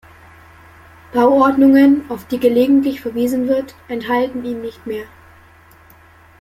Bauordnungen, auf die gelegentlich verwiesen wird, enthalten ihn nicht mehr.